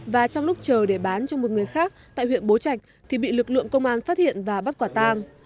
và trong lúc chờ để bán cho một người khác tại huyện bố trạch thì bị lực lượng công an phát hiện và bắt quả tang